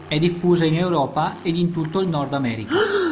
È diffusa in Europa ed in tutto il Nord America.